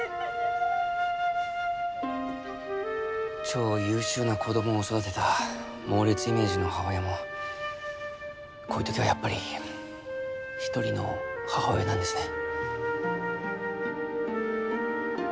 超優秀な子供を育てた猛烈イメージの母親もこういう時はやっぱり一人の母親なんですね。